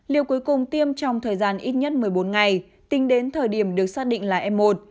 liều cuối cùng tiêm trong thời gian ít nhất một mươi bốn ngày tính đến thời điểm được xác định là e một